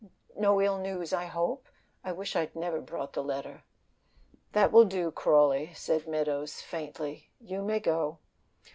No ill news, I hope. I wish I'd never brought the letter." "That will do, Crawley," said Meadows, faintly, "you may go."